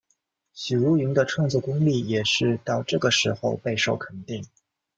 许茹芸的创作功力也是到这个时候备受肯定。